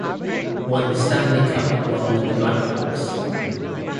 Won Stanley Cup while with the Blackhawks.